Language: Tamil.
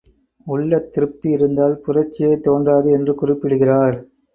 உள்ளத் திருப்தி இருந்தால் புரட்சியே தோன்றாது என்று குறிப்பிடுகிறார்.